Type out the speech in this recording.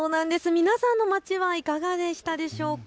皆さんのまちはいかがでしたでしょうか。